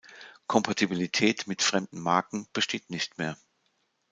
Kompatibilität mit fremden Marken besteht nicht mehr.